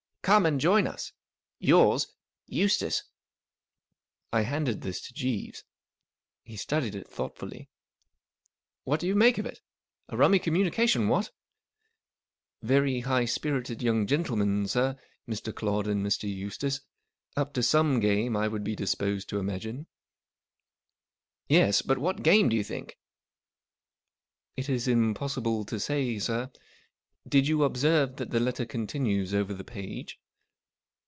Come and join us. u Yours, " Eustace." I handed this to Jeeves. He studied it thoughtfully. " What do you make of it ? A rummy communication, what ?"" Very high spirited young gentlemen, sir, Air. Claude and Mr. Eustace. Up to some game, I should be disposed to imagine." " Yes. But what game, do you think ?"" It is impossible to say, sir. Did you observe that the letter continues over the page